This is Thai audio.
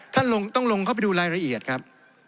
ท่านต้องลงเข้าไปดูรายละเอียดครับ